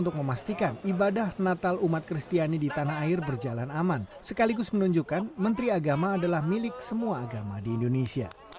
untuk memastikan ibadah natal umat kristiani di tanah air berjalan aman sekaligus menunjukkan menteri agama adalah milik semua agama di indonesia